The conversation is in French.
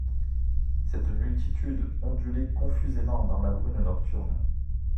Cette multitude ondulait confusément dans la brume nocturne.